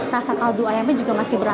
rasa kaldu ayamnya juga masih berasa